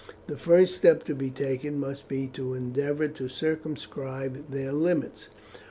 The first step to be taken must be to endeavour to circumscribe their limits.